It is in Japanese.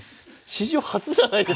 史上初じゃないですか。